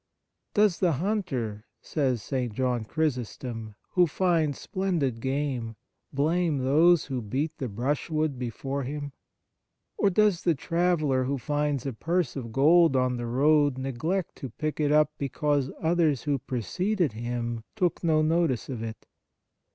" Does the hunter," says St. John Chrysostom, " who finds splendid game blame those who beat the brushwood before him ? Or does the traveller who finds a purse of gold on the road neglect to pick it up because others who preceded him took no notice of it